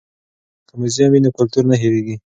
که موزیم وي نو کلتور نه هیریږي.